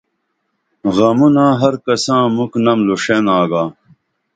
غمونا ہر کساں مُکھ نم لُوݜین آگا